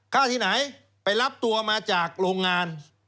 ฆ่าที่ไหนไปรับตัวมาจากโรงงาน